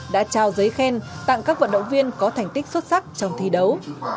đã trao giấy khen tặng các vận động viên có thành tích xuất sắc trong thi đấu